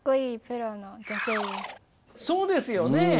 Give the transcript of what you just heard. そうですよね！